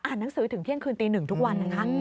หนังสือถึงเที่ยงคืนตีหนึ่งทุกวันนะคะ